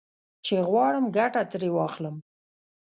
چې غواړم ګټه ترې واخلم.